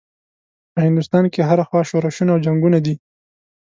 په هندوستان کې هره خوا شورشونه او جنګونه دي.